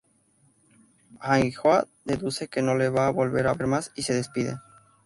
Ainhoa deduce que no le va a volver a ver más y se despiden.